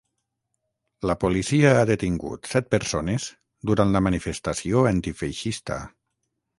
La policia ha detingut set persones durant la manifestació antifeixista.